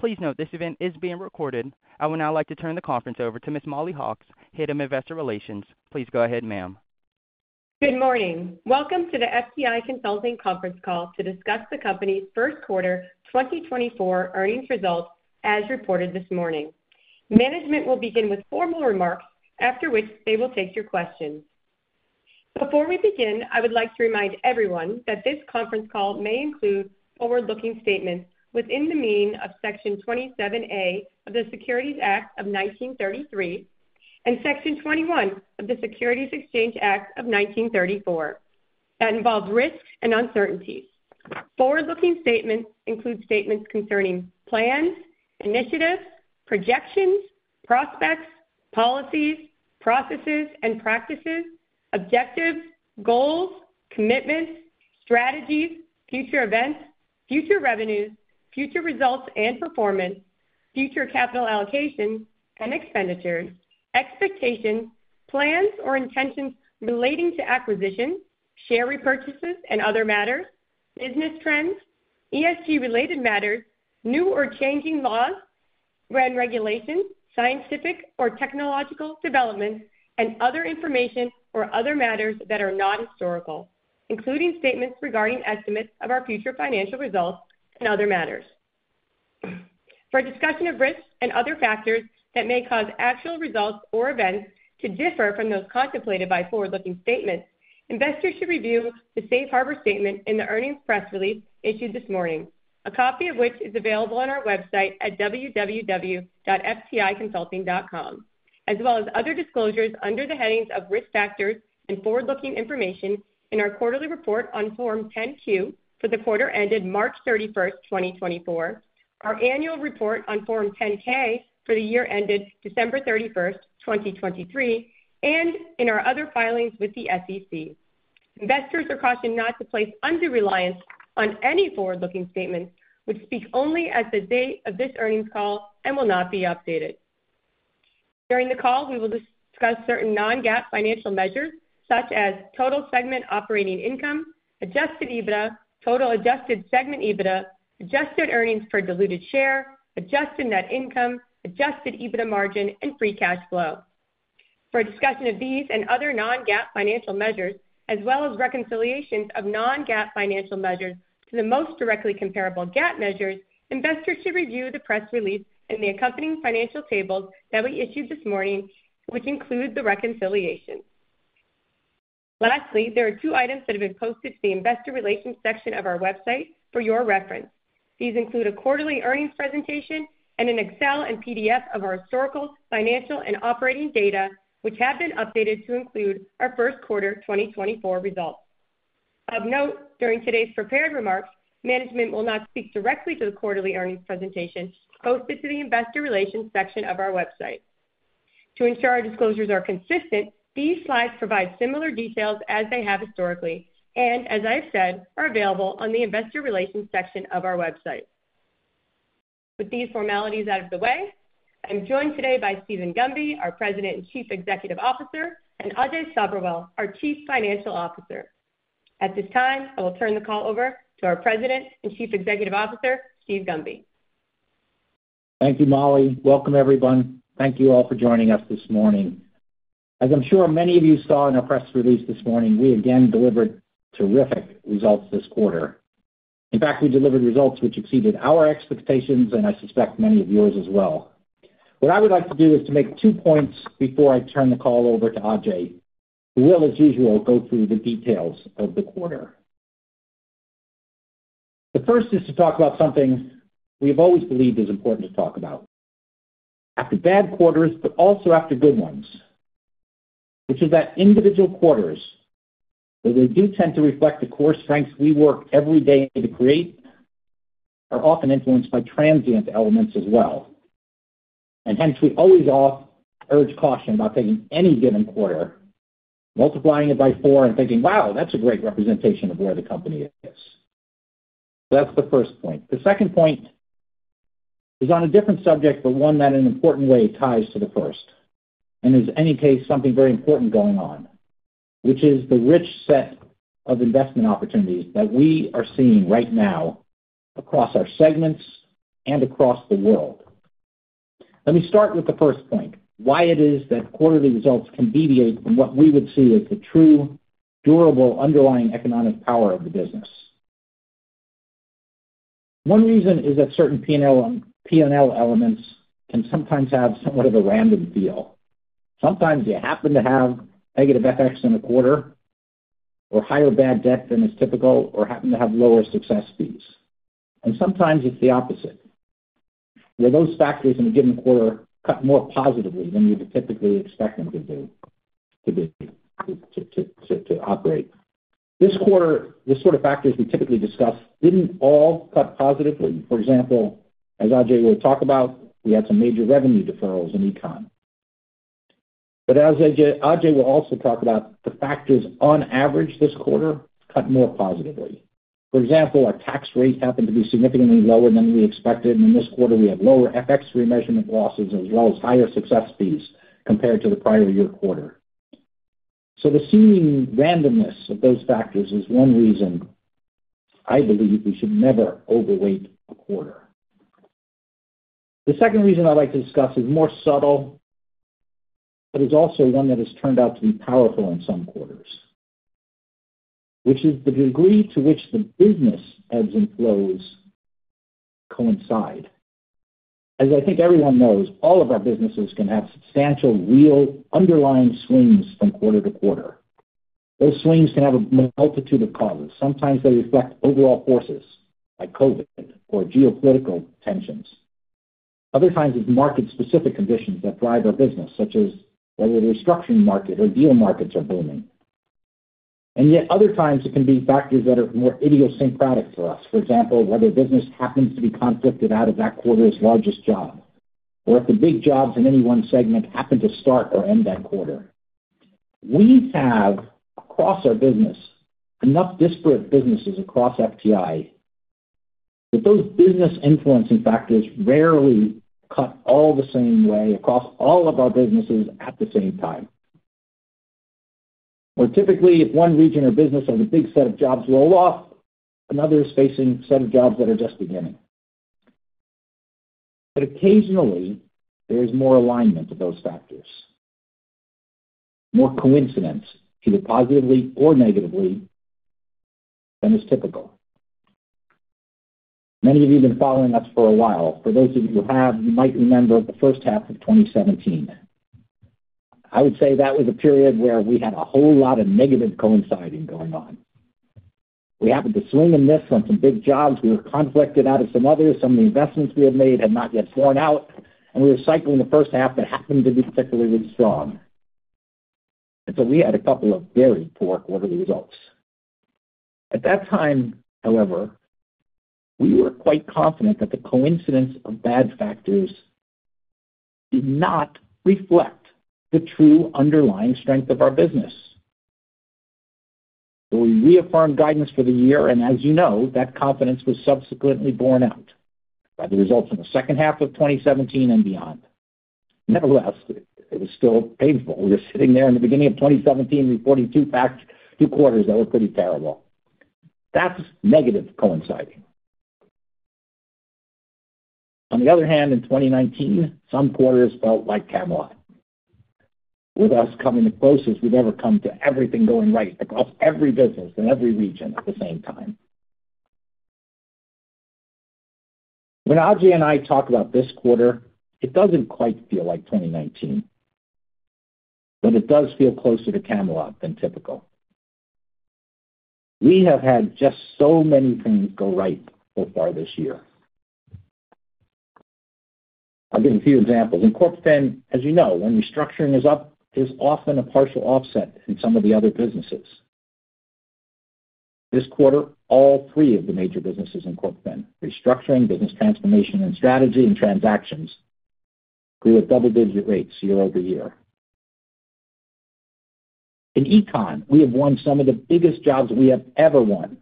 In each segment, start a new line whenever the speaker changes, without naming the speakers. Please note this event is being recorded. I would now like to turn the conference over to Ms. Mollie Hauck, Head of Investor Relations. Please go ahead, ma'am.
Good morning. Welcome to the FTI Consulting conference call to discuss the company's first quarter 2024 earnings results as reported this morning. Management will begin with formal remarks, after which they will take your questions. Before we begin, I would like to remind everyone that this conference call may include forward-looking statements within the meaning of Section 27A of the Securities Act of 1933 and Section 21 of the Securities Exchange Act of 1934. That involves risks and uncertainties. Forward-looking statements include statements concerning plans, initiatives, projections, prospects, policies, processes, and practices, objectives, goals, commitments, strategies, future events, future revenues, future results and performance, future capital allocation and expenditures, expectations, plans or intentions relating to acquisitions, share repurchases, and other matters, business trends, ESG-related matters, new or changing laws and regulations, scientific or technological developments, and other information or other matters that are not historical, including statements regarding estimates of our future financial results and other matters. For a discussion of risks and other factors that may cause actual results or events to differ from those contemplated by forward-looking statements, investors should review the Safe Harbor Statement in the earnings press release issued this morning, a copy of which is available on our website at www.fticonsulting.com, as well as other disclosures under the headings of Risk Factors and Forward-looking Information in our quarterly report on Form 10-Q for the quarter ended March 31st, 2024, our annual report on Form 10-K for the year ended December 31st, 2023, and in our other filings with the SEC. Investors are cautioned not to place undue reliance on any forward-looking statements which speak only as of the date of this earnings call and will not be updated. During the call, we will discuss certain non-GAAP financial measures such as total segment operating income, adjusted EBITDA, total adjusted segment EBITDA, adjusted earnings per diluted share, adjusted net income, adjusted EBITDA margin, and free cash flow. For a discussion of these and other non-GAAP financial measures, as well as reconciliations of non-GAAP financial measures to the most directly comparable GAAP measures, investors should review the press release and the accompanying financial tables that we issued this morning, which include the reconciliations. Lastly, there are two items that have been posted to the Investor Relations section of our website for your reference. These include a quarterly earnings presentation and an Excel and PDF of our historical, financial, and operating data, which have been updated to include our first quarter 2024 results. Of note, during today's prepared remarks, management will not speak directly to the quarterly earnings presentation posted to the Investor Relations section of our website. To ensure our disclosures are consistent, these slides provide similar details as they have historically and, as I have said, are available on the Investor Relations section of our website. With these formalities out of the way, I'm joined today by Steven Gunby, our President and Chief Executive Officer, and Ajay Sabherwal, our Chief Financial Officer. At this time, I will turn the call over to our President and Chief Executive Officer, Steve Gunby.
Thank you, Mollie. Welcome, everyone. Thank you all for joining us this morning. As I'm sure many of you saw in our press release this morning, we again delivered terrific results this quarter. In fact, we delivered results which exceeded our expectations, and I suspect many of yours as well. What I would like to do is to make two points before I turn the call over to Ajay, who will, as usual, go through the details of the quarter. The first is to talk about something we have always believed is important to talk about after bad quarters but also after good ones, which is that individual quarters, though they do tend to reflect the core strengths we work every day to create, are often influenced by transient elements as well. And hence, we always urge caution about taking any given quarter, multiplying it by four, and thinking, "Wow, that's a great representation of where the company is." That's the first point. The second point is on a different subject but one that, in an important way, ties to the first and is, in any case, something very important going on, which is the rich set of investment opportunities that we are seeing right now across our segments and across the world. Let me start with the first point, why it is that quarterly results can deviate from what we would see as the true, durable underlying economic power of the business. One reason is that certain P&L elements can sometimes have somewhat of a random feel. Sometimes you happen to have negative FX in a quarter or higher bad debt than is typical or happen to have lower success fees. And sometimes it's the opposite, where those factors in a given quarter cut more positively than you would typically expect them to operate. This quarter, the sort of factors we typically discuss didn't all cut positively. For example, as Ajay will talk about, we had some major revenue deferrals in Econ. But as Ajay will also talk about, the factors on average this quarter cut more positively. For example, our tax rate happened to be significantly lower than we expected, and in this quarter, we had lower FX remeasurement losses as well as higher success fees compared to the prior year quarter. So the seeming randomness of those factors is one reason I believe we should never overweight a quarter. The second reason I'd like to discuss is more subtle but is also one that has turned out to be powerful in some quarters, which is the degree to which the business ebbs and flows coincide. As I think everyone knows, all of our businesses can have substantial, real underlying swings from quarter to quarter. Those swings can have a multitude of causes. Sometimes they reflect overall forces like COVID or geopolitical tensions. Other times, it's market-specific conditions that drive our business, such as whether the restructuring market or deal markets are booming. And yet, other times, it can be factors that are more idiosyncratic for us. For example, whether business happens to be conflicted out of that quarter's largest job or if the big jobs in any one segment happen to start or end that quarter. We have, across our business, enough disparate businesses across FTI that those business-influencing factors rarely cut all the same way across all of our businesses at the same time. Where typically, if one region or business has a big set of jobs roll off, another is facing a set of jobs that are just beginning. But occasionally, there is more alignment of those factors, more coincidence, either positively or negatively, than is typical. Many of you have been following us for a while. For those of you who have, you might remember the first half of 2017. I would say that was a period where we had a whole lot of negative coinciding going on. We happened to swing and miss on some big jobs. We were conflicted out of some others. Some of the investments we had made had not yet worn out, and we were cycling the first half that happened to be particularly strong. And so we had a couple of very poor quarterly results. At that time, however, we were quite confident that the coincidence of bad factors did not reflect the true underlying strength of our business. So we reaffirmed guidance for the year, and as you know, that confidence was subsequently borne out by the results in the second half of 2017 and beyond. Nevertheless, it was still painful. We were sitting there in the beginning of 2017 with 42 quarters that were pretty terrible. That's negative coinciding. On the other hand, in 2019, some quarters felt like Camelot. With us coming the closest we've ever come to everything going right across every business in every region at the same time. When Ajay and I talk about this quarter, it doesn't quite feel like 2019, but it does feel closer to Camelot than typical. We have had just so many things go right so far this year. I'll give you a few examples. In Corp Fin, as you know, when restructuring is up, there's often a partial offset in some of the other businesses. This quarter, all three of the major businesses in Corp Fin, Restructuring, Business Transformation, and Strategy and Transactions, grew at double-digit rates year-over-year. In econ, we have won some of the biggest jobs we have ever won,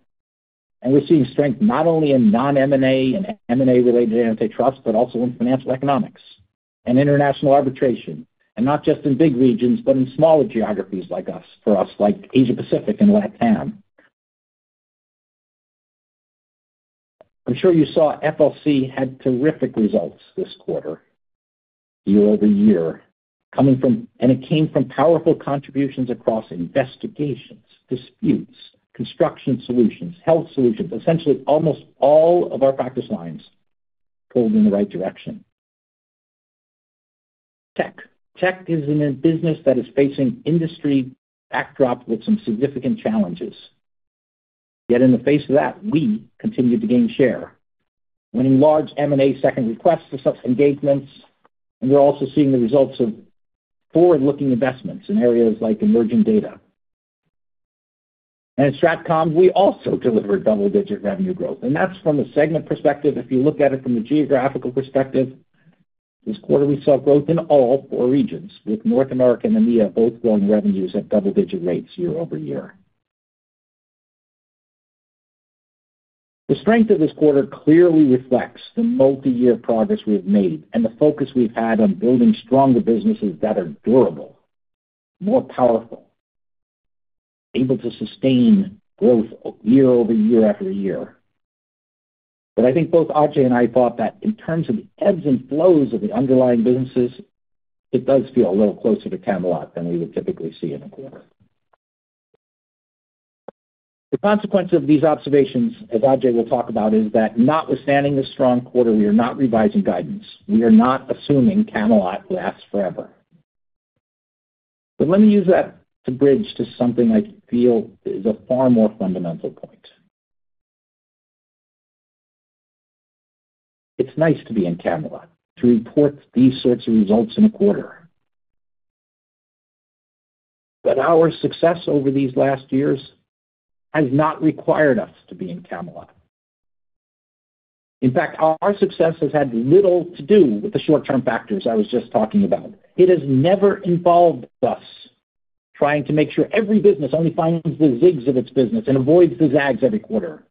and we're seeing strength not only in non-M&A and M&A-related antitrust but also in Financial Economics and international arbitration, and not just in big regions but in smaller geographies for us like Asia-Pacific and LATAM. I'm sure you saw FLC had terrific results this quarter year-over-year, and it came from powerful contributions across investigations, disputes, Construction Solutions, Health Solutions. Essentially, almost all of our practice lines pulled in the right direction. Tech. Tech is in a business that is facing industry backdrop with some significant challenges. Yet in the face of that, we continue to gain share, winning large M&A Second Requests and engagements, and we're also seeing the results of forward-looking investments in areas like emerging data. And at Stratcom, we also delivered double-digit revenue growth, and that's from a segment perspective. If you look at it from the geographical perspective, this quarter, we saw growth in all four regions with North America and EMEA both growing revenues at double-digit rates year-over-year. The strength of this quarter clearly reflects the multi-year progress we have made and the focus we've had on building stronger businesses that are durable, more powerful, able to sustain growth year over year after year. But I think both Ajay and I thought that in terms of the ebbs and flows of the underlying businesses, it does feel a little closer to Camelot than we would typically see in a quarter. The consequence of these observations, as Ajay will talk about, is that notwithstanding this strong quarter, we are not revising guidance. We are not assuming Camelot lasts forever. But let me use that to bridge to something I feel is a far more fundamental point. It's nice to be in Camelot, to report these sorts of results in a quarter, but our success over these last years has not required us to be in Camelot. In fact, our success has had little to do with the short-term factors I was just talking about. It has never involved us trying to make sure every business only finds the zigs of its business and avoids the zags every quarter.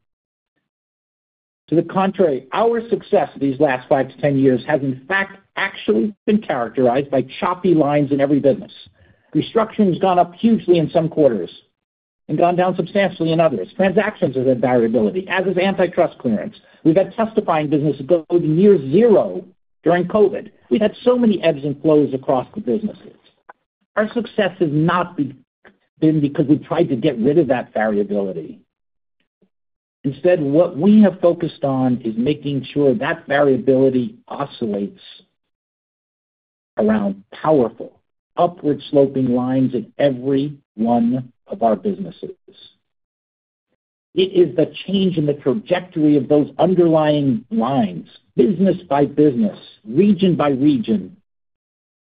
To the contrary, our success these last 5-10 years has, in fact, actually been characterized by choppy lines in every business. Restructuring has gone up hugely in some quarters and gone down substantially in others. Transactions have had variability, as has antitrust clearance. We've had testifying businesses go to near zero during COVID. We've had so many ebbs and flows across the businesses. Our success has not been because we've tried to get rid of that variability. Instead, what we have focused on is making sure that variability oscillates around powerful, upward-sloping lines in every one of our businesses. It is the change in the trajectory of those underlying lines, business by business, region by region,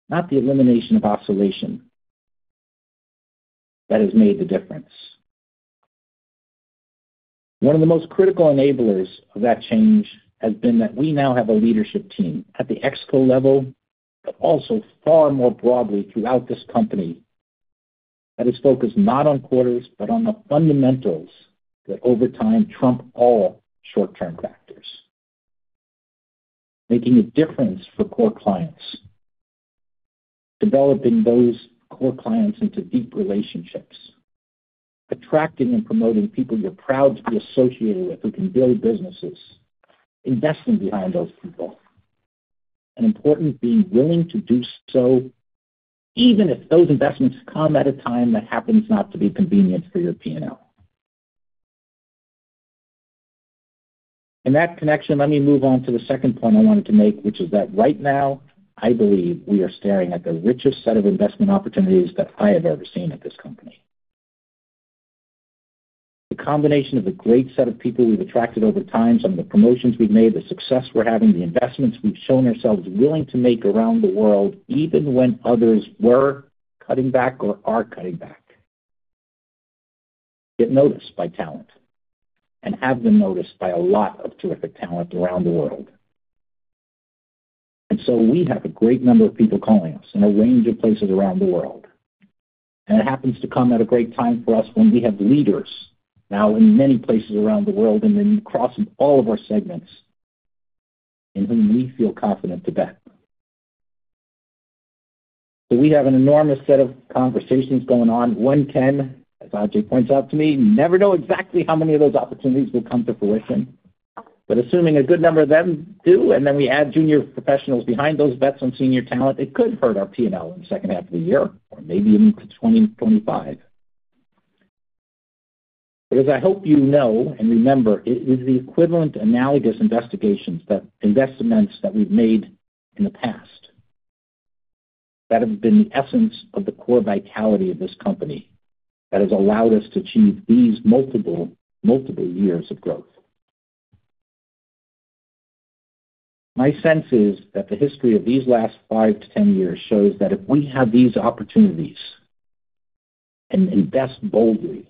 not the elimination of oscillation, that has made the difference. One of the most critical enablers of that change has been that we now have a leadership team at the Exco level but also far more broadly throughout this company that is focused not on quarters but on the fundamentals that over time trump all short-term factors, making a difference for core clients, developing those core clients into deep relationships, attracting and promoting people you're proud to be associated with who can build businesses, investing behind those people, and importantly, being willing to do so even if those investments come at a time that happens not to be convenient for your P&L. In that connection, let me move on to the second point I wanted to make, which is that right now, I believe we are staring at the richest set of investment opportunities that I have ever seen at this company. The combination of the great set of people we've attracted over time, some of the promotions we've made, the success we're having, the investments we've shown ourselves willing to make around the world even when others were cutting back or are cutting back, get noticed by talent and have been noticed by a lot of terrific talent around the world. And so we have a great number of people calling us in a range of places around the world, and it happens to come at a great time for us when we have leaders now in many places around the world and across all of our segments in whom we feel confident to bet. So we have an enormous set of conversations going on. One can, as Ajay points out to me, never know exactly how many of those opportunities will come to fruition. But assuming a good number of them do and then we add junior professionals behind those bets on senior talent, it could hurt our P&L in the second half of the year or maybe into 2025. But as I hope you know and remember, it is the equivalent analogous investments that we've made in the past that have been the essence of the core vitality of this company that has allowed us to achieve these multiple years of growth. My sense is that the history of these last 5-10 years shows that if we have these opportunities and invest boldly,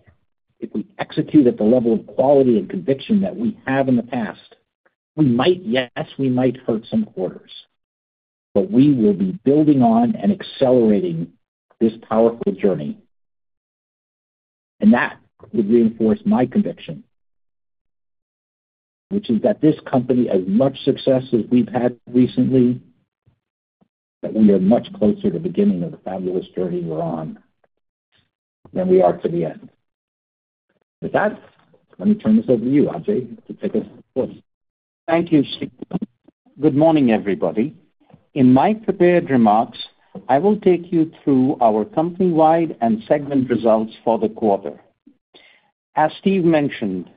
if we execute at the level of quality and conviction that we have in the past, yes, we might hurt some quarters, but we will be building on and accelerating this powerful journey. And that would reinforce my conviction, which is that this company, as much success as we've had recently, that we are much closer to the beginning of the fabulous journey we're on than we are to the end. With that, let me turn this over to you, Ajay, to take us forth.
Thank you, Steve. Good morning, everybody. In my prepared remarks, I will take you through our company-wide and segment results for the quarter. As Steve mentioned,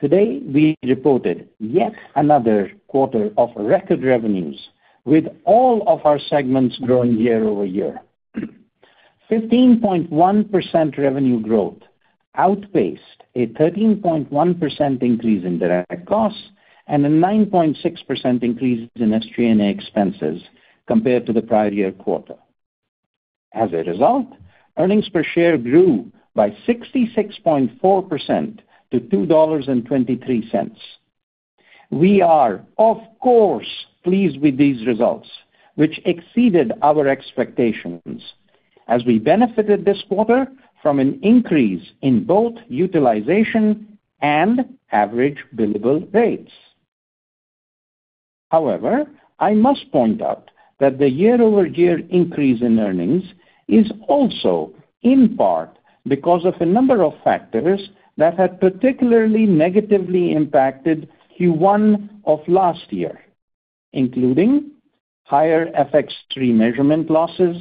today we reported yet another quarter of record revenues with all of our segments growing year-over-year, 15.1% revenue growth outpaced a 13.1% increase in direct costs and a 9.6% increase in SG&A expenses compared to the prior year quarter. As a result, earnings per share grew by 66.4% to $2.23. We are, of course, pleased with these results, which exceeded our expectations as we benefited this quarter from an increase in both utilization and average billable rates. However, I must point out that the year-over-year increase in earnings is also in part because of a number of factors that have particularly negatively impacted Q1 of last year, including higher FX3 measurement losses,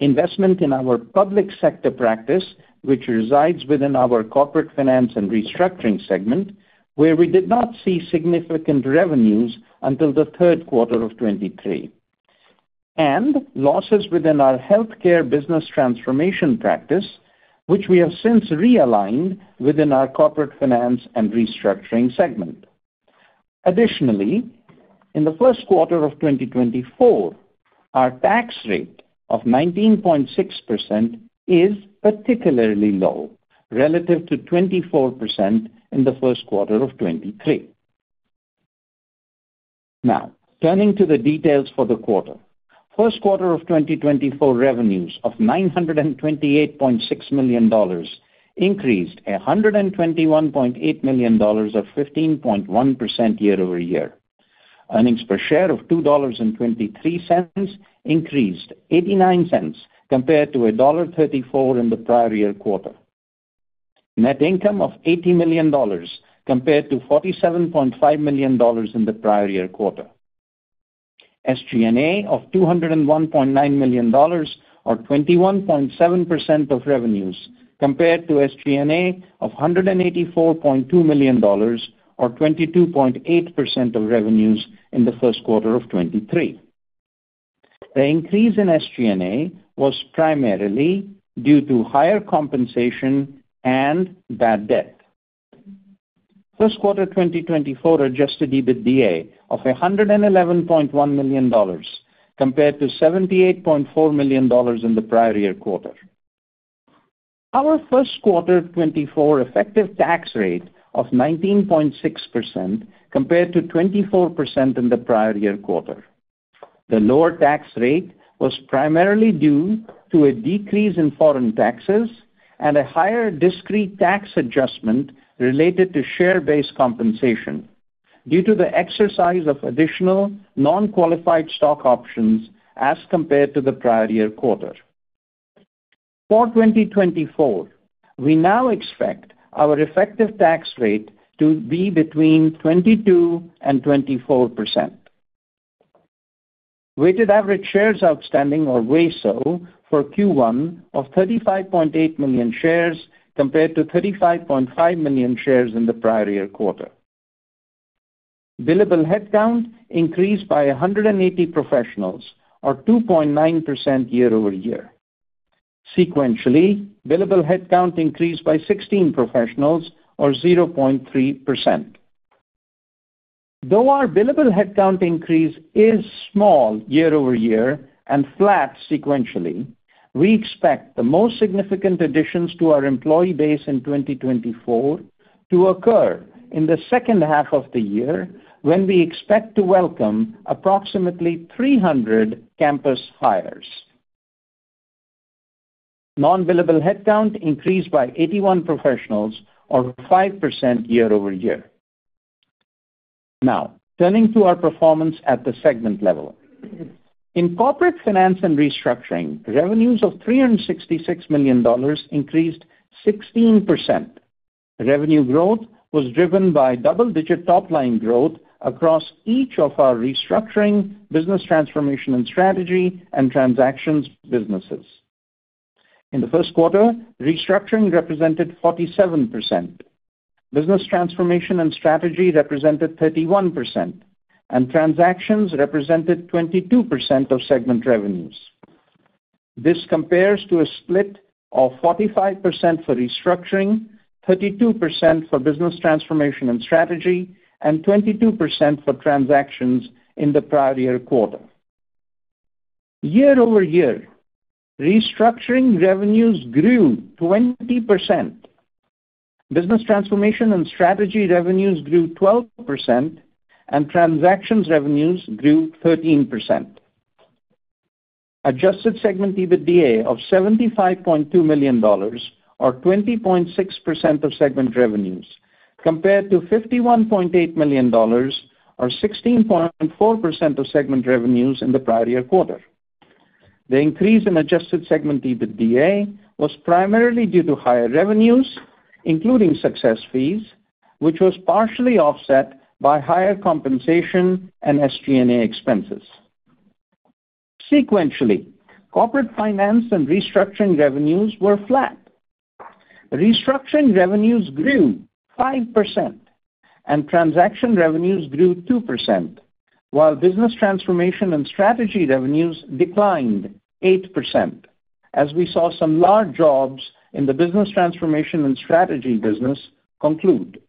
investment in our public sector practice, which resides within our Corporate Finance and Restructuring segment, where we did not see significant revenues until the third quarter of 2023, and losses within our healthcare business transformation practice, which we have since realigned within our Corporate Finance and Restructuring segment. Additionally, in the first quarter of 2024, our tax rate of 19.6% is particularly low relative to 24% in the first quarter of 2023. Now, turning to the details for the quarter, first quarter of 2024 revenues of $928.6 million increased $121.8 million or 15.1% year-over-year. Earnings per share of $2.23 increased $0.89 compared to $1.34 in the prior year quarter, net income of $80 million compared to $47.5 million in the prior year quarter, SG&A of $201.9 million or 21.7% of revenues compared to SG&A of $184.2 million or 22.8% of revenues in the first quarter of 2023. The increase in SG&A was primarily due to higher compensation and bad debt. First quarter 2024 Adjusted EBITDA of $111.1 million compared to $78.4 million in the prior year quarter. Our first quarter 2024 effective tax rate of 19.6% compared to 24% in the prior year quarter. The lower tax rate was primarily due to a decrease in foreign taxes and a higher discrete tax adjustment related to share-based compensation due to the exercise of additional non-qualified stock options as compared to the prior year quarter. For 2024, we now expect our effective tax rate to be between 22% and 24%. Weighted Average Shares Outstanding or WASO for Q1 of 35.8 million shares compared to 35.5 million shares in the prior year quarter. Billable headcount increased by 180 professionals or 2.9% year-over-year. Sequentially, billable headcount increased by 16 professionals or 0.3%. Though our billable headcount increase is small year-over-year and flat sequentially, we expect the most significant additions to our employee base in 2024 to occur in the second half of the year when we expect to welcome approximately 300 campus hires. Non-billable headcount increased by 81 professionals or 5% year-over-year. Now, turning to our performance at the segment level. In Corporate Finance and Restructuring, revenues of $366 million increased 16%. Revenue growth was driven by double-digit top-line growth across each of our restructuring, business transformation and strategy, and transactions businesses. In the first quarter, restructuring represented 47%. Business transformation and strategy represented 31%, and transactions represented 22% of segment revenues. This compares to a split of 45% for restructuring, 32% for business transformation and strategy, and 22% for transactions in the prior year quarter. Year-over-year, restructuring revenues grew 20%. Business transformation and strategy revenues grew 12%, and transactions revenues grew 13%. Adjusted segment EBITDA of $75.2 million or 20.6% of segment revenues compared to $51.8 million or 16.4% of segment revenues in the prior year quarter. The increase in adjusted segment EBITDA was primarily due to higher revenues, including success fees, which was partially offset by higher compensation and SG&A expenses. Sequentially, Corporate Finance and Restructuring revenues were flat. Restructuring revenues grew 5%, and transaction revenues grew 2%, while business transformation and strategy revenues declined 8% as we saw some large jobs in the business transformation and strategy business conclude.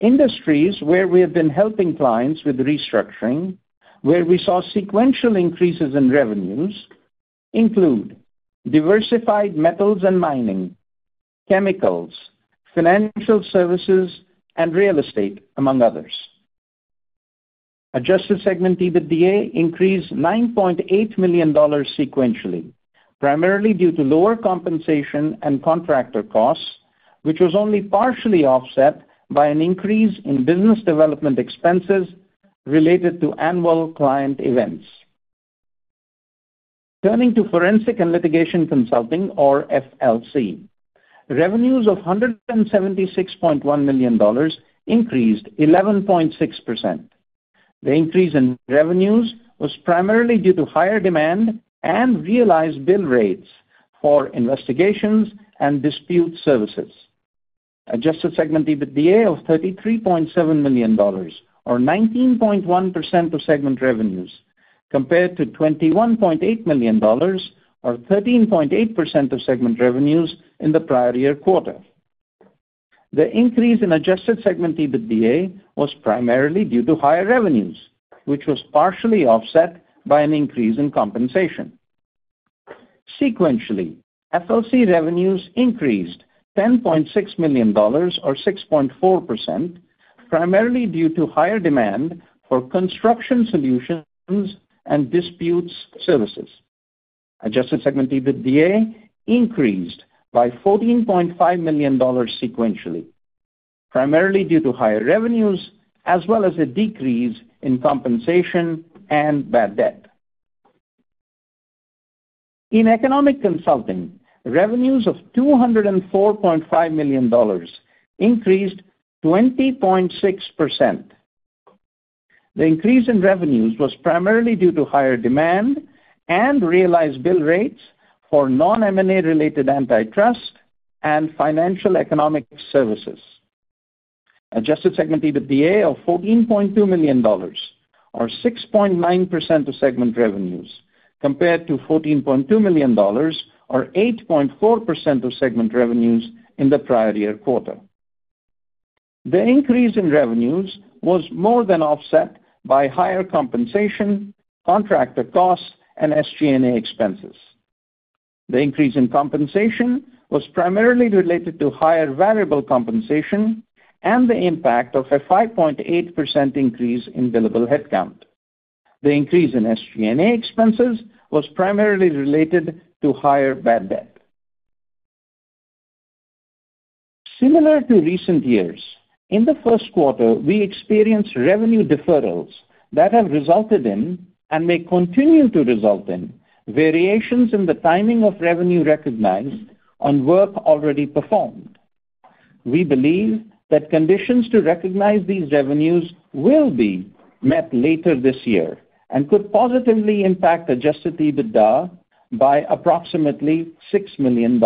Industries where we have been helping clients with restructuring, where we saw sequential increases in revenues, include diversified metals and mining, chemicals, financial services, and real estate, among others. Adjusted segment EBITDA increased $9.8 million sequentially, primarily due to lower compensation and contractor costs, which was only partially offset by an increase in business development expenses related to annual client events. Turning to Forensic and Litigation Consulting or FLC, revenues of $176.1 million increased 11.6%. The increase in revenues was primarily due to higher demand and realized bill rates for investigations and dispute services. Adjusted segment EBITDA of $33.7 million or 19.1% of segment revenues compared to $21.8 million or 13.8% of segment revenues in the prior year quarter. The increase in adjusted segment EBITDA was primarily due to higher revenues, which was partially offset by an increase in compensation. Sequentially, FLC revenues increased $10.6 million or 6.4% primarily due to higher demand for Construction Solutions and disputes services. Adjusted segment EBITDA increased by $14.5 million sequentially, primarily due to higher revenues as well as a decrease in compensation and bad debt. In Economic Consulting, revenues of $204.5 million increased 20.6%. The increase in revenues was primarily due to higher demand and realized bill rates for non-M&A-related antitrust and financial economic services. Adjusted segment EBITDA of $14.2 million or 6.9% of segment revenues compared to $14.2 million or 8.4% of segment revenues in the prior year quarter. The increase in revenues was more than offset by higher compensation, contractor costs, and SG&A expenses. The increase in compensation was primarily related to higher variable compensation and the impact of a 5.8% increase in billable headcount. The increase in SG&A expenses was primarily related to higher bad debt. Similar to recent years, in the first quarter, we experienced revenue deferrals that have resulted in and may continue to result in variations in the timing of revenue recognized on work already performed. We believe that conditions to recognize these revenues will be met later this year and could positively impact Adjusted EBITDA by approximately $6 million.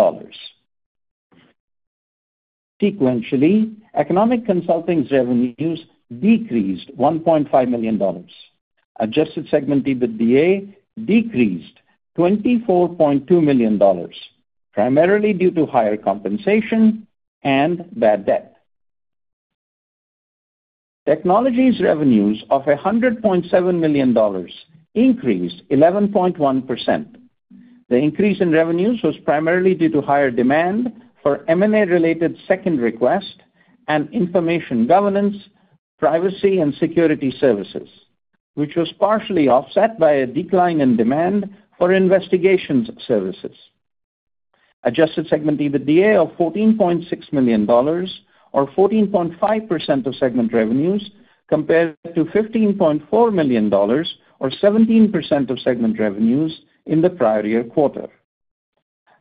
Sequentially, Economic Consulting's revenues decreased $1.5 million. Adjusted segment EBITDA decreased $24.2 million primarily due to higher compensation and bad debt. Technology's revenues of $100.7 million increased 11.1%. The increase in revenues was primarily due to higher demand for M&A-related Second Request and information governance, privacy, and security services, which was partially offset by a decline in demand for investigations services. Adjusted segment EBITDA of $14.6 million or 14.5% of segment revenues compared to $15.4 million or 17% of segment revenues in the prior year quarter.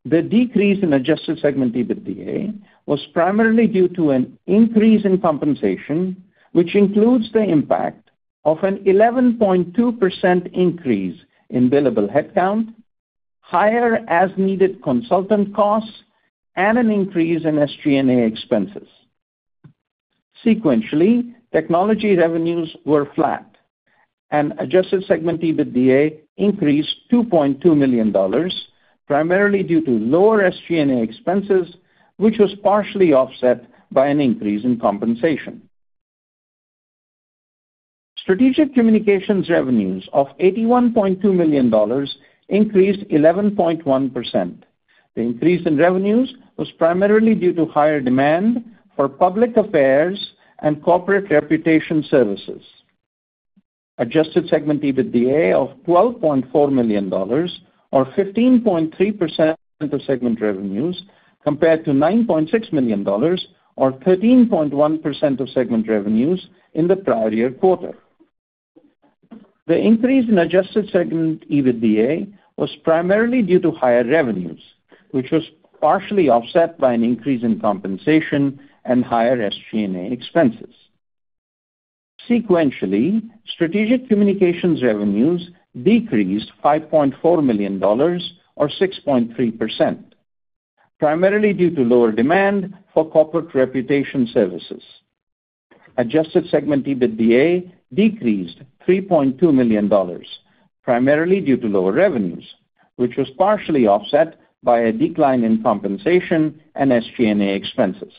The decrease in adjusted segment EBITDA was primarily due to an increase in compensation, which includes the impact of an 11.2% increase in billable headcount, higher as-needed consultant costs, and an increase in SG&A expenses. Sequentially, technology revenues were flat, and adjusted segment EBITDA increased $2.2 million primarily due to lower SG&A expenses, which was partially offset by an increase in compensation. Strategic communications revenues of $81.2 million increased 11.1%. The increase in revenues was primarily due to higher demand for public affairs and corporate reputation services. Adjusted segment EBITDA of $12.4 million or 15.3% of segment revenues compared to $9.6 million or 13.1% of segment revenues in the prior year quarter. The increase in adjusted segment EBITDA was primarily due to higher revenues, which was partially offset by an increase in compensation and higher SG&A expenses. Sequentially, strategic communications revenues decreased $5.4 million or 6.3% primarily due to lower demand for corporate reputation services. Adjusted segment EBITDA decreased $3.2 million primarily due to lower revenues, which was partially offset by a decline in compensation and SG&A expenses.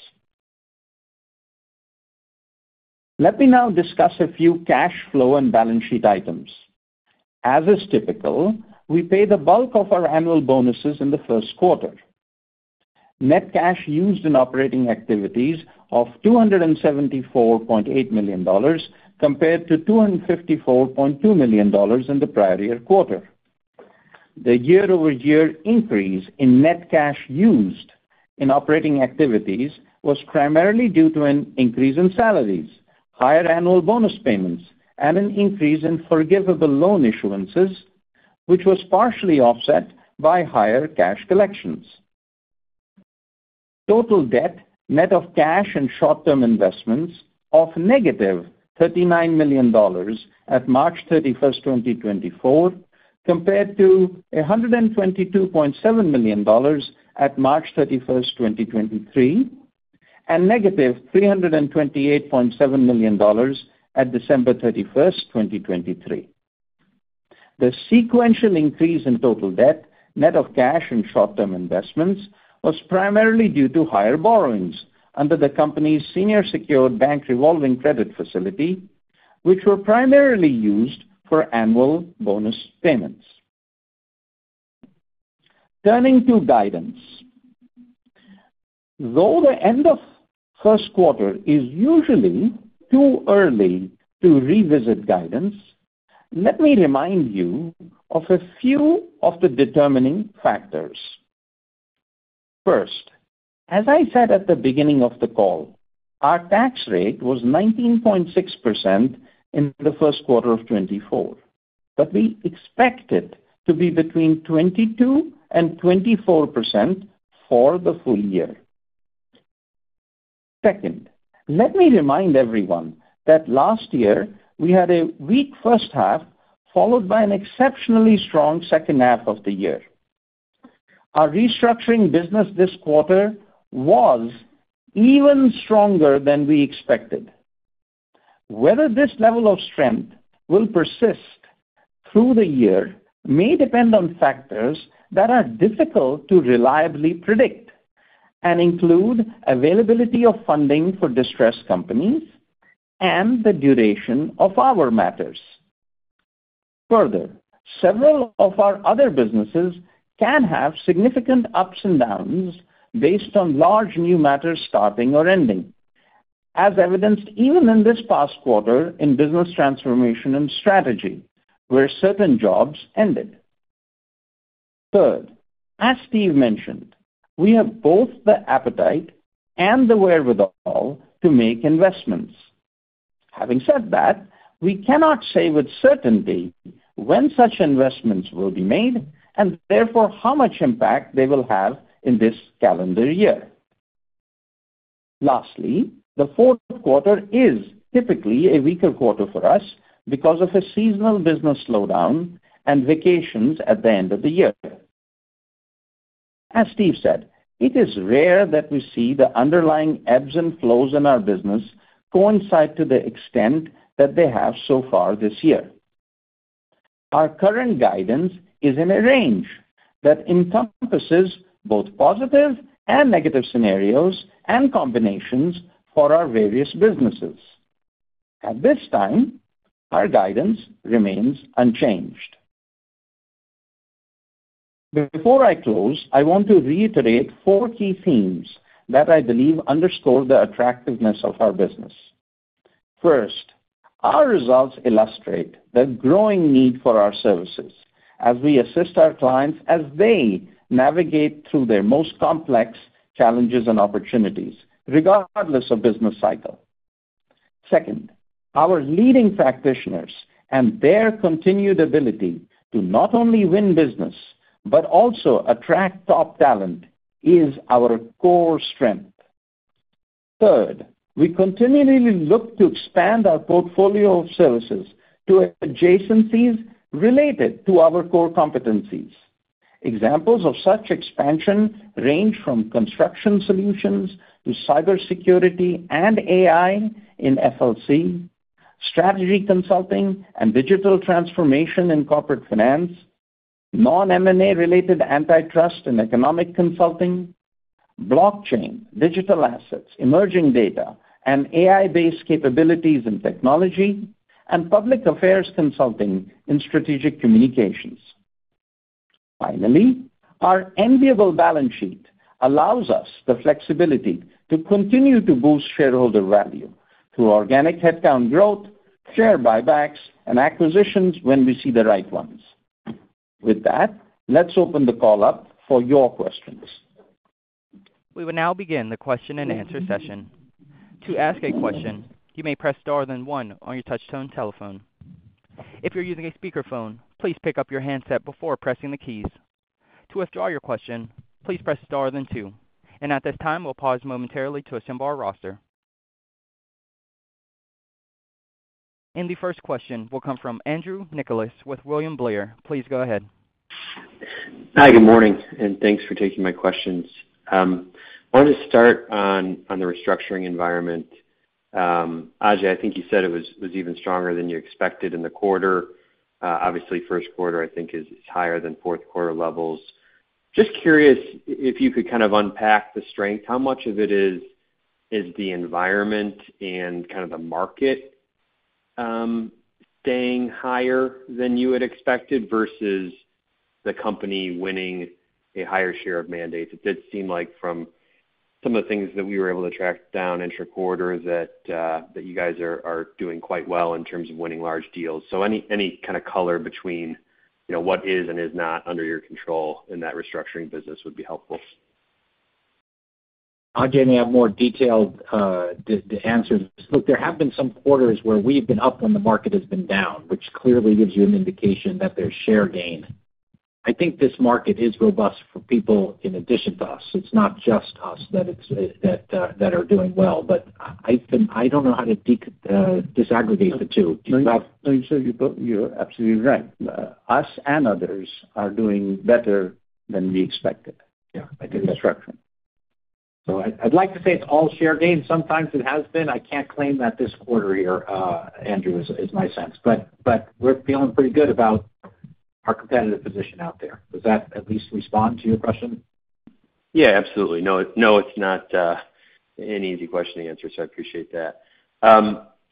Let me now discuss a few cash flow and balance sheet items. As is typical, we pay the bulk of our annual bonuses in the first quarter. Net cash used in operating activities of $274.8 million compared to $254.2 million in the prior year quarter. The year-over-year increase in net cash used in operating activities was primarily due to an increase in salaries, higher annual bonus payments, and an increase in forgivable loan issuances, which was partially offset by higher cash collections. Total debt net of cash and short-term investments of negative $39 million at March 31st, 2024, compared to $122.7 million at March 31st, 2023, and negative $328.7 million at December 31st, 2023. The sequential increase in total debt net of cash and short-term investments was primarily due to higher borrowings under the company's senior secured bank revolving credit facility, which were primarily used for annual bonus payments. Turning to guidance. Though the end of first quarter is usually too early to revisit guidance, let me remind you of a few of the determining factors. First, as I said at the beginning of the call, our tax rate was 19.6% in the first quarter of 2024, but we expected to be between 22% and 24% for the full year. Second, let me remind everyone that last year, we had a weak first half followed by an exceptionally strong second half of the year. Our restructuring business this quarter was even stronger than we expected. Whether this level of strength will persist through the year may depend on factors that are difficult to reliably predict and include availability of funding for distressed companies and the duration of our matters. Further, several of our other businesses can have significant ups and downs based on large new matters starting or ending, as evidenced even in this past quarter in business transformation and strategy where certain jobs ended. Third, as Steve mentioned, we have both the appetite and the wherewithal to make investments. Having said that, we cannot say with certainty when such investments will be made and therefore how much impact they will have in this calendar year. Lastly, the fourth quarter is typically a weaker quarter for us because of a seasonal business slowdown and vacations at the end of the year. As Steve said, it is rare that we see the underlying ebbs and flows in our business coincide to the extent that they have so far this year. Our current guidance is in a range that encompasses both positive and negative scenarios and combinations for our various businesses. At this time, our guidance remains unchanged. Before I close, I want to reiterate four key themes that I believe underscore the attractiveness of our business. First, our results illustrate the growing need for our services as we assist our clients as they navigate through their most complex challenges and opportunities regardless of business cycle. Second, our leading practitioners and their continued ability to not only win business but also attract top talent is our core strength. Third, we continually look to expand our portfolio of services to adjacencies related to our core competencies. Examples of such expansion range from Construction Solutions to cybersecurity and AI in FLC, strategy consulting and digital transformation in Corporate Finance, non-M&A-related antitrust and Economic Consulting, blockchain, digital assets, emerging data, and AI-based capabilities and Technology, and public affairs consulting in Strategic Communications. Finally, our enviable balance sheet allows us the flexibility to continue to boost shareholder value through organic headcount growth, share buybacks, and acquisitions when we see the right ones. With that, let's open the call up for your questions.
We will now begin the question and answer session. To ask a question, you may press star then one on your touch tone telephone. If you're using a speakerphone, please pick up your handset before pressing the keys. To withdraw your question, please press star then two. At this time, we'll pause momentarily to assemble our roster. The first question will come from Andrew Nicholas with William Blair. Please go ahead.
Hi. Good morning. Thanks for taking my questions. I wanted to start on the restructuring environment. Ajay, I think you said it was even stronger than you expected in the quarter. Obviously, first quarter, I think, is higher than fourth quarter levels. Just curious if you could kind of unpack the strength. How much of it is the environment and kind of the market staying higher than you had expected versus the company winning a higher share of mandates? It did seem like from some of the things that we were able to track down intra-quarter that you guys are doing quite well in terms of winning large deals. So any kind of color between what is and is not under your control in that restructuring business would be helpful.
Ajay, may I have more detailed answers? Look, there have been some quarters where we've been up when the market has been down, which clearly gives you an indication that there's share gain. I think this market is robust for people in addition to us. It's not just us that are doing well. But I don't know how to disaggregate the two. Do you have? No, you're absolutely right.
We and others are doing better than we expected in the restructuring. So I'd like to say it's all share gain. Sometimes it has been. I can't claim that this quarter here, Andrew, is my sense. But we're feeling pretty good about our competitive position out there. Does that at least respond to your question?
Yeah, absolutely. No, it's not an easy question to answer. So I appreciate that.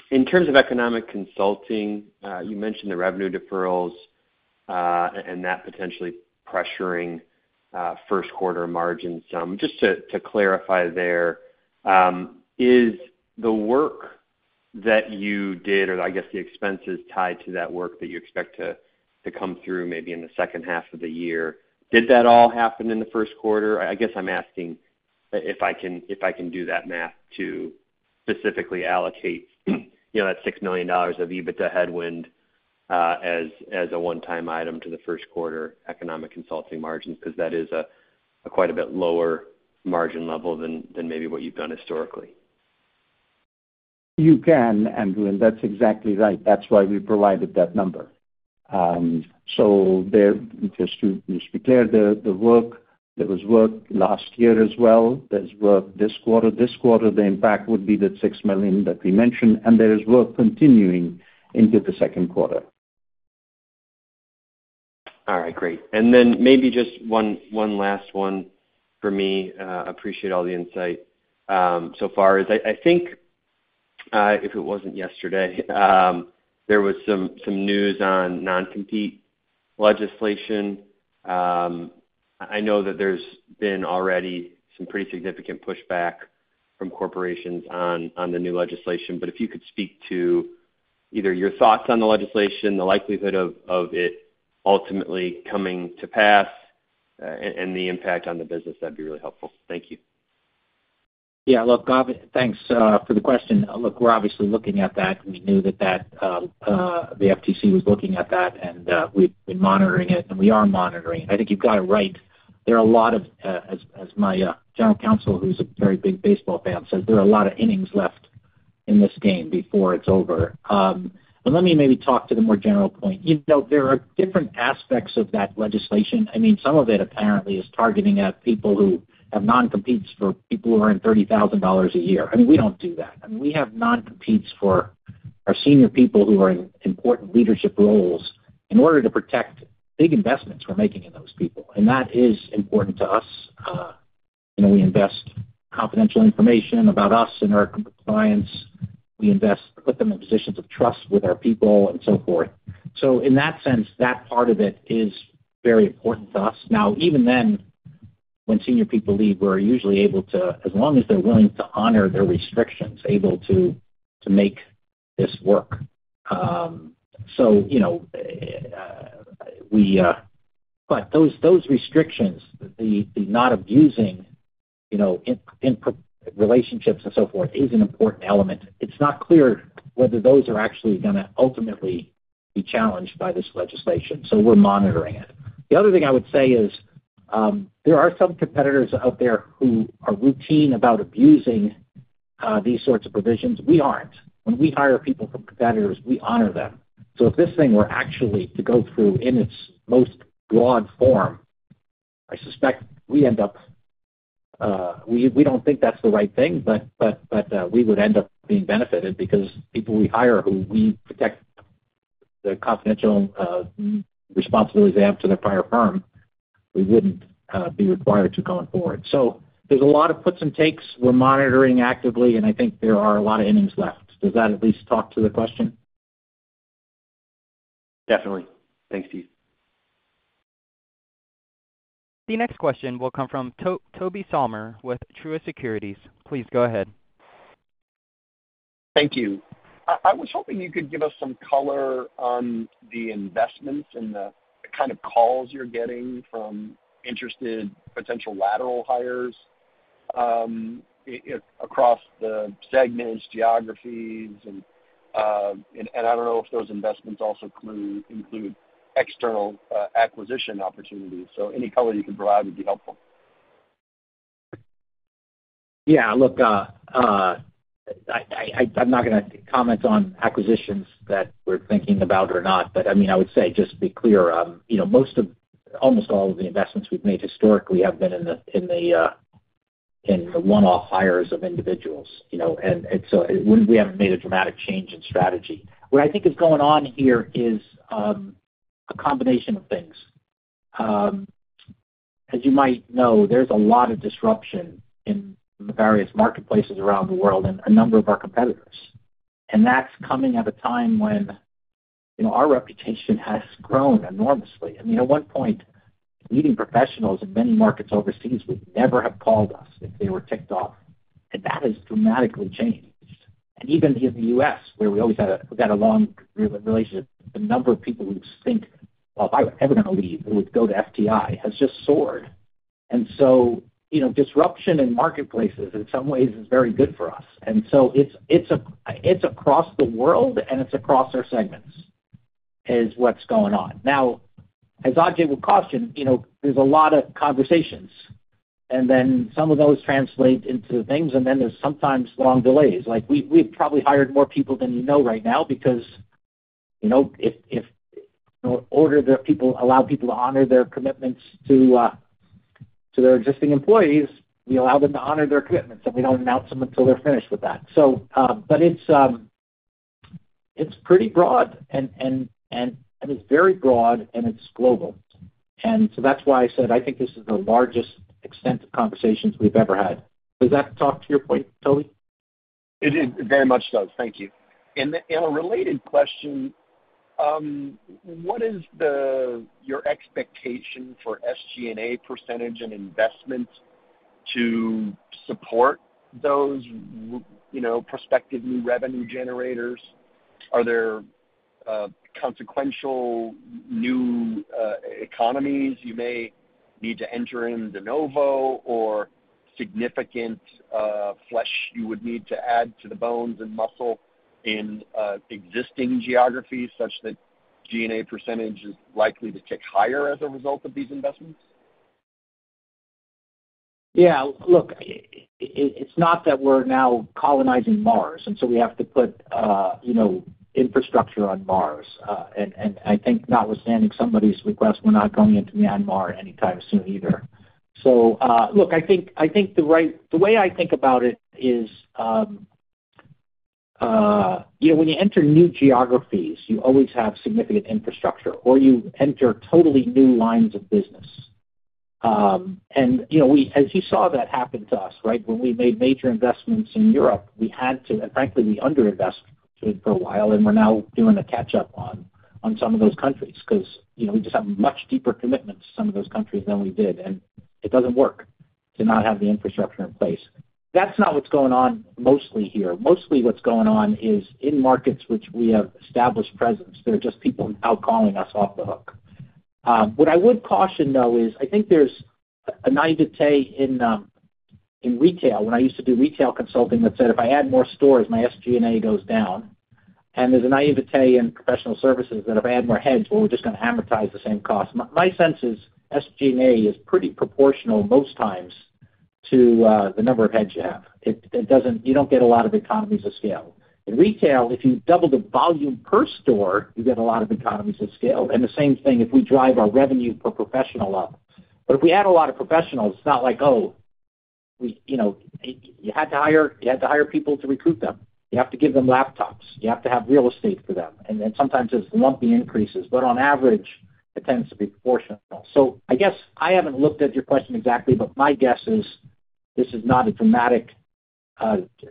In terms of economic consulting, you mentioned the revenue deferrals and that potentially pressuring first quarter margin some. Just to clarify there, is the work that you did or I guess the expenses tied to that work that you expect to come through maybe in the second half of the year, did that all happen in the first quarter? I guess I'm asking if I can do that math to specifically allocate that $6 million of EBITDA headwind as a one-time item to the first quarter economic consulting margins because that is quite a bit lower margin level than maybe what you've done historically.
You can, Andrew. And that's exactly right. That's why we provided that number. So just to be clear, there was work last year as well. There's work this quarter. This quarter, the impact would be that $6 million that we mentioned. And there is work continuing into the second quarter.
All right. Great. And then maybe just one last one for me. I appreciate all the insight so far. I think if it wasn't yesterday, there was some news on non-compete legislation. I know that there's been already some pretty significant pushback from corporations on the new legislation. But if you could speak to either your thoughts on the legislation, the likelihood of it ultimately coming to pass, and the impact on the business, that'd be really helpful. Thank you.
Yeah. Look, thanks for the question. Look, we're obviously looking at that. We knew that the FTC was looking at that. And we've been monitoring it. And we are monitoring. And I think you've got it right. There are a lot of, as my general counsel, who's a very big baseball fan, says, "There are a lot of innings left in this game before it's over." But let me maybe talk to the more general point. There are different aspects of that legislation. I mean, some of it apparently is targeting at people who have non-competes for people who are in $30,000 a year. I mean, we don't do that. I mean, we have non-competes for our senior people who are in important leadership roles in order to protect big investments we're making in those people. And that is important to us. We invest confidential information about us and our clients. We put them in positions of trust with our people and so forth. So in that sense, that part of it is very important to us. Now, even then, when senior people leave, we're usually able to as long as they're willing to honor their restrictions, able to make this work. So we value those restrictions, the not abusing in relationships and so forth, is an important element. It's not clear whether those are actually going to ultimately be challenged by this legislation. So we're monitoring it. The other thing I would say is there are some competitors out there who routinely abuse these sorts of provisions. We aren't. When we hire people from competitors, we honor them. So if this thing were actually to go through in its most broad form, I suspect we end up we don't think that's the right thing. But we would end up being benefited because people we hire who we protect the confidential responsibilities they have to their prior firm, we wouldn't be required to going forward. So there's a lot of puts and takes. We're monitoring actively. And I think there are a lot of innings left. Does that at least talk to the question?
Definitely. Thanks, Steve.
The next question will come from Tobey Sommer with Truist Securities. Please go ahead.
Thank you. I was hoping you could give us some color on the investments and the kind of calls you're getting from interested potential lateral hires across the segments, geographies. I don't know if those investments also include external acquisition opportunities. So any color you could provide would be helpful.
Yeah. Look, I'm not going to comment on acquisitions that we're thinking about or not. But I mean, I would say just to be clear, almost all of the investments we've made historically have been in the one-off hires of individuals. And so we haven't made a dramatic change in strategy. What I think is going on here is a combination of things. As you might know, there's a lot of disruption in the various marketplaces around the world and a number of our competitors. And that's coming at a time when our reputation has grown enormously. I mean, at one point, leading professionals in many markets overseas would never have called us if they were ticked off. And that has dramatically changed. And even here in the U.S., where we always had a we've got a long relationship, the number of people who think, "Well, if I were ever going to leave, it would go to FTI," has just soared. And so disruption in marketplaces, in some ways, is very good for us. And so it's across the world. And it's across our segments is what's going on. Now, as Ajay would caution, there's a lot of conversations. And then some of those translate into things. And then there's sometimes long delays. We've probably hired more people than you know right now because if in order to allow people to honor their commitments to their existing employees, we allow them to honor their commitments. And we don't announce them until they're finished with that. But it's pretty broad. And it's very broad. And it's global. That's why I said I think this is the largest extent of conversations we've ever had. Does that talk to your point, Tobey?
It very much does. Thank you. A related question, what is your expectation for SG&A percentage in investments to support those prospective new revenue generators? Are there consequential new economies you may need to enter de novo or significant flesh you would need to add to the bones and muscle in existing geographies such that G&A percentage is likely to tick higher as a result of these investments?
Yeah. Look, it's not that we're now colonizing Mars. So we have to put infrastructure on Mars. I think, notwithstanding somebody's request, we're not going into Myanmar anytime soon either. So look, I think the way I think about it is when you enter new geographies, you always have significant infrastructure. Or you enter totally new lines of business. And as you saw that happen to us, right, when we made major investments in Europe, we had to and frankly, we underinvested for a while. And we're now doing a catch-up on some of those countries because we just have much deeper commitments to some of those countries than we did. And it doesn't work to not have the infrastructure in place. That's not what's going on mostly here. Mostly what's going on is in markets which we have established presence, there are just people outcalling us off the hook. What I would caution, though, is I think there's a naïveté in retail. When I used to do retail consulting, that said, "If I add more stores, my SG&A goes down." And there's a naivete in professional services that if I add more heads, well, we're just going to amortize the same cost. My sense is SG&A is pretty proportional most times to the number of heads you have. You don't get a lot of economies of scale. In retail, if you double the volume per store, you get a lot of economies of scale. And the same thing if we drive our revenue per professional up. But if we add a lot of professionals, it's not like, "Oh, you had to hire people to recruit them. You have to give them laptops. You have to have real estate for them." And then sometimes there's lumpy increases. But on average, it tends to be proportional. So I guess I haven't looked at your question exactly. But my guess is this is not a dramatic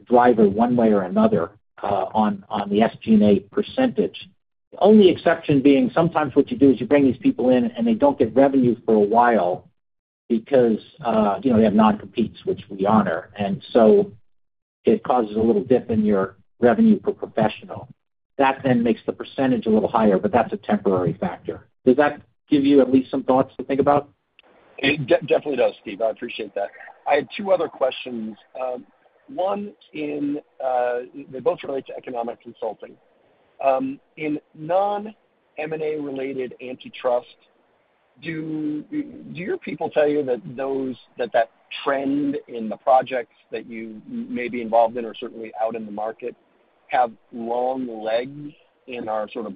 driver one way or another on the SG&A percentage. The only exception being sometimes what you do is you bring these people in. And they don't get revenue for a while because they have non-competes, which we honor. And so it causes a little dip in your revenue per professional. That then makes the percentage a little higher. But that's a temporary factor. Does that give you at least some thoughts to think about?
It definitely does, Steve. I appreciate that. I had two other questions. One, and they both relate to Economic Consulting. In non-M&A-related antitrust, do your people tell you that that trend in the projects that you may be involved in or certainly out in the market have long legs and are sort of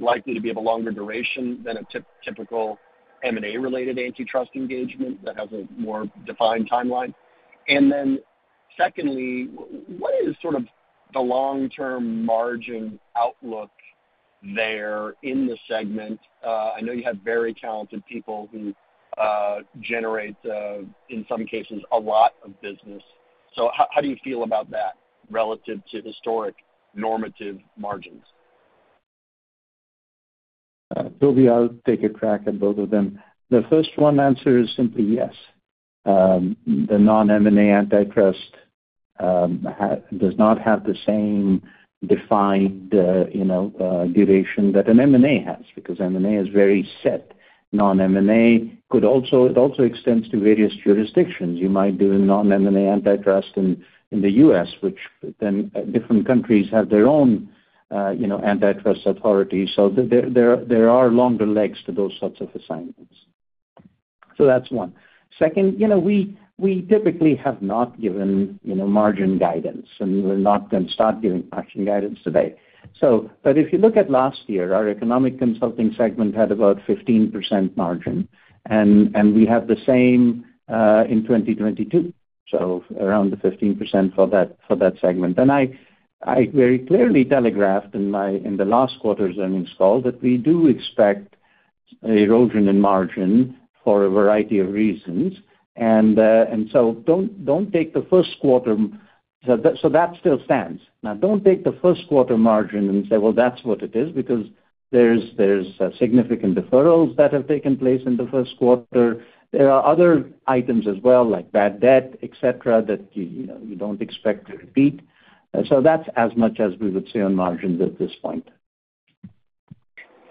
likely to be of a longer duration than a typical M&A-related antitrust engagement that has a more defined timeline? And then secondly, what is sort of the long-term margin outlook there in the segment? I know you have very talented people who generate, in some cases, a lot of business. So how do you feel about that relative to historic normative margins?
Tobey, I'll take a crack at both of them. The first one answer is simply yes. The non-M&A antitrust does not have the same defined duration that an M&A has because M&A is very set. Non-M&A could also it also extends to various jurisdictions.
You might do a non-M&A antitrust in the U.S., which then different countries have their own antitrust authorities. So there are longer legs to those sorts of assignments. So that's one. Second, we typically have not given margin guidance. And we're not going to start giving margin guidance today. But if you look at last year, our economic consulting segment had about 15% margin. And we had the same in 2022, so around the 15% for that segment. And I very clearly telegraphed in the last quarter's earnings call that we do expect erosion in margin for a variety of reasons. And so don't take the first quarter so that still stands. Now, don't take the first quarter margin and say, "Well, that's what it is," because there's significant deferrals that have taken place in the first quarter.
There are other items as well like bad debt, etc., that you don't expect to repeat. So that's as much as we would say on margins at this point.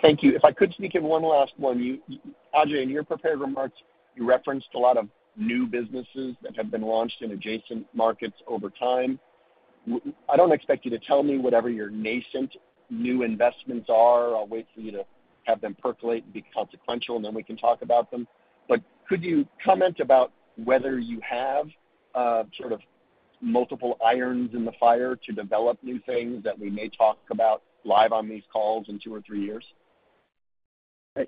Thank you. If I could speak to one last one, Ajay, in your prepared remarks, you referenced a lot of new businesses that have been launched in adjacent markets over time. I don't expect you to tell me whatever your nascent new investments are. I'll wait for you to have them percolate and be consequential. And then we can talk about them. But could you comment about whether you have sort of multiple irons in the fire to develop new things that we may talk about live on these calls in two or three years?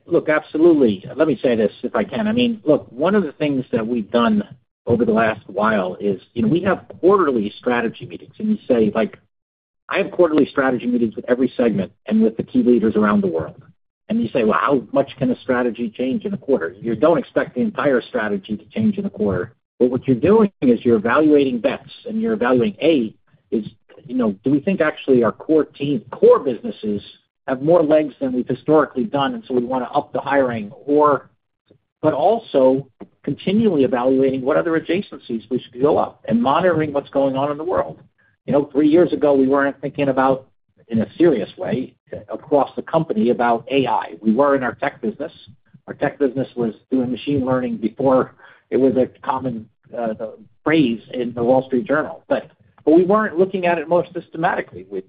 Look, absolutely. Let me say this if I can. I mean, look, one of the things that we've done over the last while is we have quarterly strategy meetings. And you say, "I have quarterly strategy meetings with every segment and with the key leaders around the world." And you say, "Well, how much can a strategy change in a quarter?" You don't expect the entire strategy to change in a quarter. But what you're doing is you're evaluating bets. And you're evaluating, "A, do we think actually our core businesses have more legs than we've historically done? And so we want to up the hiring?" But also continually evaluating what other adjacencies we should go up and monitoring what's going on in the world. Three years ago, we weren't thinking about in a serious way across the company about AI. We were in our tech business. Our tech business was doing machine learning before it was a common phrase in the Wall Street Journal. But we weren't looking at it more systematically. Of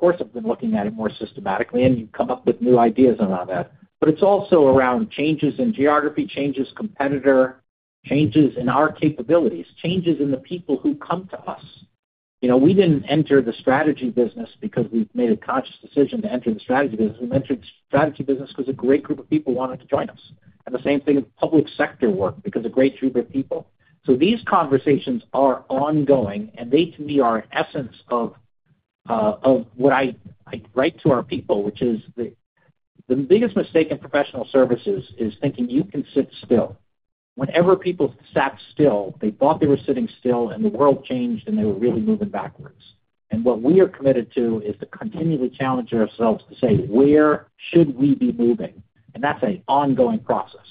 course, I've been looking at it more systematically. And you come up with new ideas around that. But it's also around changes in geography, changes competitor, changes in our capabilities, changes in the people who come to us. We didn't enter the strategy business because we've made a conscious decision to enter the strategy business. We entered the strategy business because a great group of people wanted to join us. And the same thing in public sector work because a great group of people. So these conversations are ongoing. And they, to me, are essence of what I write to our people, which is the biggest mistake in professional services is thinking you can sit still. Whenever people sat still, they thought they were sitting still. And the world changed. And they were really moving backwards. And what we are committed to is to continually challenge ourselves to say, "Where should we be moving?" And that's an ongoing process.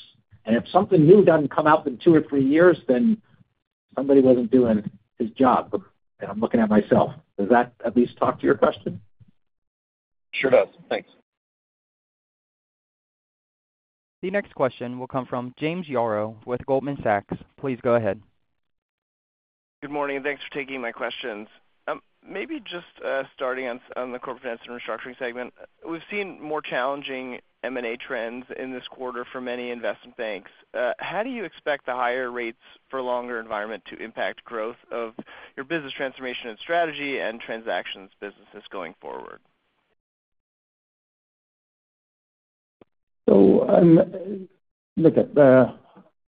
And if something new doesn't come out in two or three years, then somebody wasn't doing his job. And I'm looking at myself. Does that at least talk to your question?
Sure does. Thanks.
The next question will come from James Yaro with Goldman Sachs. Please go ahead.
Good morning. Thanks for taking my questions. Maybe just starting on the Corporate Finance and Restructuring segment, we've seen more challenging M&A trends in this quarter for many investment banks. How do you expect the higher rates for a longer environment to impact growth of your business transformation and strategy and transactions businesses going forward?
So look,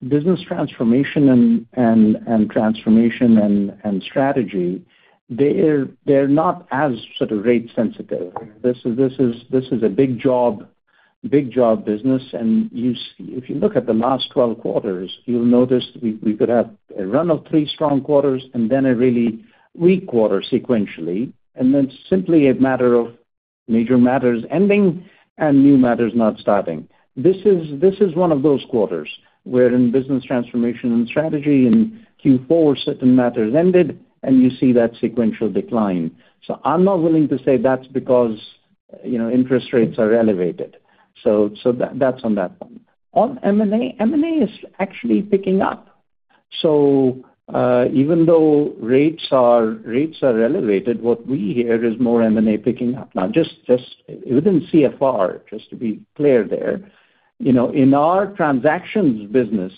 business transformation and transformation and strategy, they're not as sort of rate-sensitive. This is a big job business. And if you look at the last 12 quarters, you'll notice we could have a run of 3 strong quarters and then a really weak quarter sequentially. And then simply a matter of major matters ending and new matters not starting. This is one of those quarters wherein business transformation and strategy in Q4 certain matters ended. And you see that sequential decline. So I'm not willing to say that's because interest rates are elevated. So that's on that one. On M&A, M&A is actually picking up. So even though rates are elevated, what we hear is more M&A picking up. Now, within CFR, just to be clear there, in our transactions business,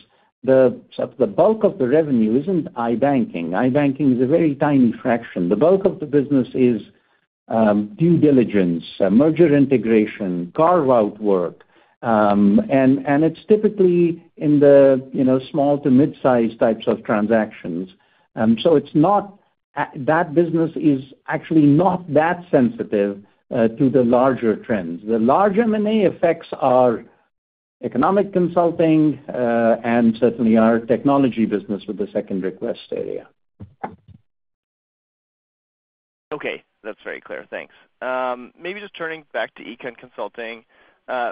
the bulk of the revenue isn't I-banking. I-banking is a very tiny fraction. The bulk of the business is due diligence, merger integration, carve-out work. It's typically in the small to midsize types of transactions. That business is actually not that sensitive to the larger trends. The large M&A effects are economic consulting and certainly our technology business with the Second Request area.
Okay. That's very clear. Thanks. Maybe just turning back to Econ Consulting,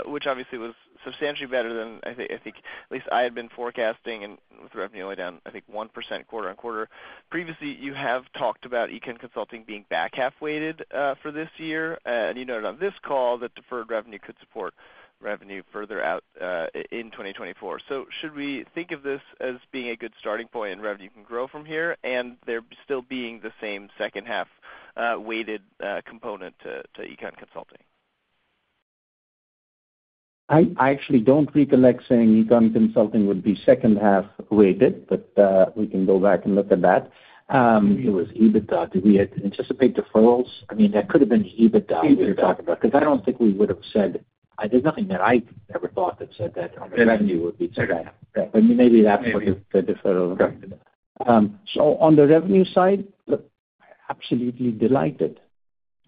which obviously was substantially better than, I think at least I had been forecasting with revenue only down, I think, 1% quarter-over-quarter. Previously, you have talked about Econ Consulting being back half-weighted for this year. You noted on this call that deferred revenue could support revenue further out in 2024. Should we think of this as being a good starting point and revenue can grow from here and there still being the same second-half-weighted component to Econ Consulting?
I actually don't recollect saying Econ Consulting would be second-half-weighted. But we can go back and look at that. It was EBITDA. Did we anticipate deferrals? I mean, that could have been EBITDA you're talking about because I don't think we would have said there's nothing that I ever thought that said that revenue would be too high. But maybe that's what the deferrals meant. So on the revenue side, absolutely delighted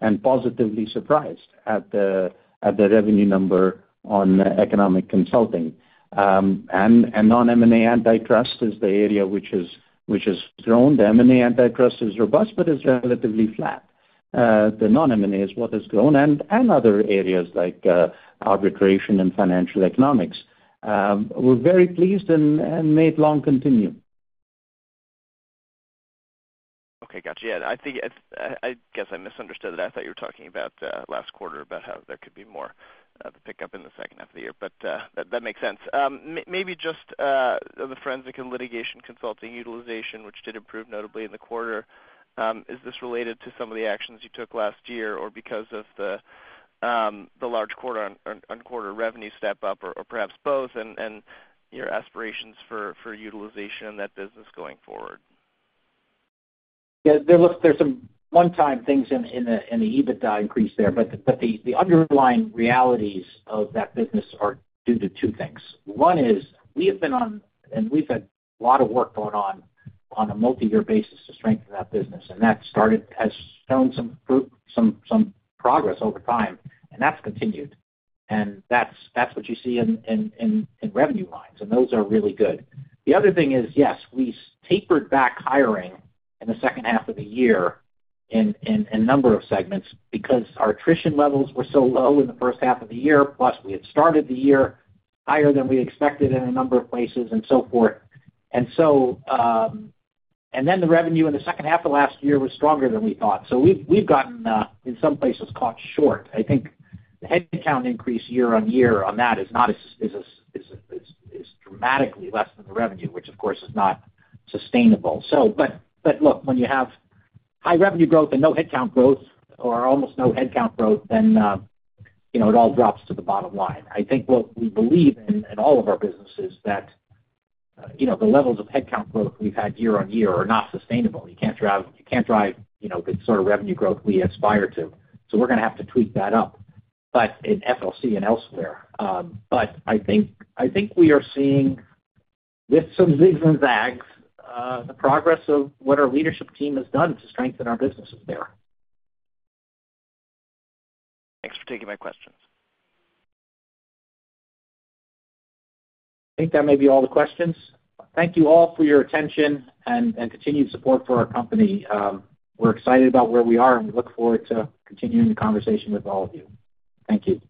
and positively surprised at the revenue number on economic consulting. And non-M&A antitrust is the area which has grown. The M&A antitrust is robust but is relatively flat. The non-M&A is what has grown. And other areas like arbitration and Financial Economics. We're very pleased and made long continue.
Okay. Gotcha. Yeah. I guess I misunderstood it. I thought you were talking about last quarter about how there could be more of a pickup in the second half of the year. But that makes sense. Maybe just the Forensic and Litigation Consulting utilization, which did improve notably in the quarter, is this related to some of the actions you took last year or because of the large quarter-on-quarter revenue step-up or perhaps both and your aspirations for utilization in that business going forward?
Yeah. Look, there's some one-time things in the EBITDA increase there. But the underlying realities of that business are due to two things. One is we have been on and we've had a lot of work going on on a multi-year basis to strengthen that business. And that has shown some progress over time. And that's continued. And that's what you see in revenue lines. And those are really good. The other thing is, yes, we tapered back hiring in the second half of the year in a number of segments because our attrition levels were so low in the first half of the year. Plus, we had started the year higher than we expected in a number of places and so forth. And then the revenue in the second half of last year was stronger than we thought. So we've gotten, in some places, caught short. I think the headcount increase year-on-year on that is dramatically less than the revenue, which, of course, is not sustainable. But look, when you have high revenue growth and no headcount growth or almost no headcount growth, then it all drops to the bottom line. I think what we believe in all of our business is that the levels of headcount growth we've had year-on-year are not sustainable. You can't drive the sort of revenue growth we aspire to. So we're going to have to tweak that up in FLC and elsewhere. But I think we are seeing, with some zigs and zags, the progress of what our leadership team has done to strengthen our businesses there.
Thanks for taking my questions.
I think that may be all the questions. Thank you all for your attention and continued support for our company. We're excited about where we are. And we look forward to continuing the conversation with all of you. Thank you.